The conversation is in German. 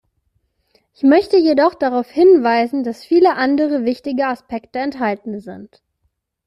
Ich möchte jedoch darauf hinweisen, dass viele andere wichtige Aspekte enthalten sind.